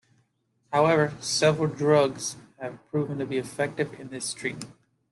However, several drugs have proven to be effective in its treatment.